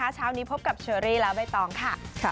เช้านี้พบกับเฉียวหรี่ลาไบร์ตอ๋องค่ะ